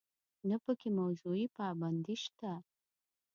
نه په کې موضوعي پابندي شته.